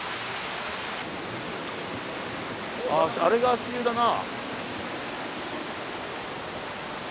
ああれが足湯だな。